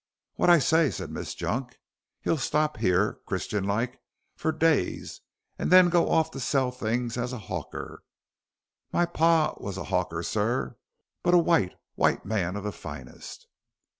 "What I say," said Miss Junk; "he'll stop here, Christian like, for days, and then go orf to sell things as a 'awker. My par was a 'awker, sir, but a white, white man of the finest."